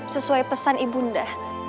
sesuai pesan ibu nda